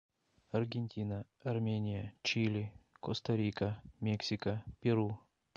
Аргентина, Армения, Чили, Коста-Рика, Мексика, Перу.